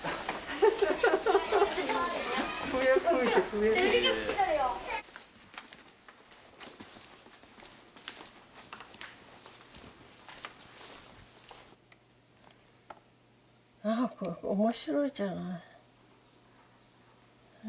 あこれ面白いじゃない。